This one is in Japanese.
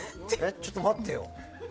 ちょっと待ってよ。